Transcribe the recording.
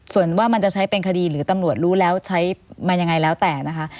ส่วนว่ามันจะใช้เป็นคดีหรือตำรวจรู้แล้วใช้มันยังไงแล้วแต่นะคะ